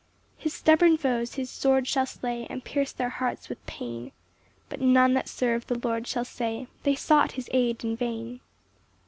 6 [His stubborn foes his sword shall slay, And pierce their hearts with pain; But none that serve the Lord shall say, "They sought his aid in vain."